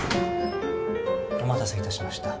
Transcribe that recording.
お待たせいたしました。